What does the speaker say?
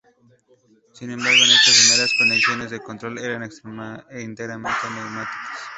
Sin embargo, estas primeras conexiones de control eran enteramente neumáticas.